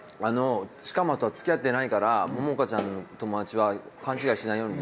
色摩とは付き合ってないからモモカちゃんの友達は勘違いしないようにね。